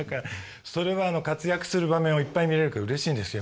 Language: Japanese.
それは活躍する場面をいっぱい見れるからうれしいんですけど。